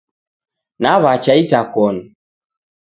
Nawacha itakoni